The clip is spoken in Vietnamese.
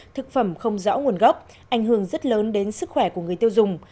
thực phẩm không rõ nguồn gốc ảnh hưởng rất lớn đến sức khỏe của người tiêu dùng